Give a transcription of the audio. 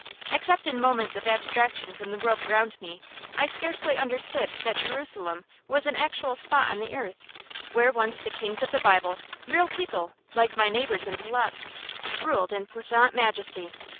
Except in moments of abstraction from the world around me, I scarcely understood that Jerusalem was an actual spot on the earth, where once the Kings of the Bible, real people, like my neighbors in Polotzk, ruled in puissant majesty.